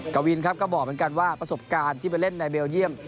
กวินครับก็บอกเหมือนกันว่าประสบการณ์ที่ไปเล่นในเบลเยี่ยม